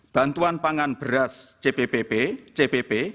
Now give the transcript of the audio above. bantuan pangan beras cpp cpp